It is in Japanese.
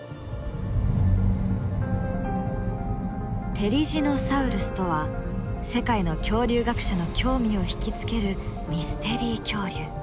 テリジノサウルスとは世界の恐竜学者の興味を引き付けるミステリー恐竜。